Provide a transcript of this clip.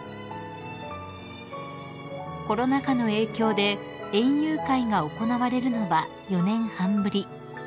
［コロナ禍の影響で園遊会が行われるのは４年半ぶり］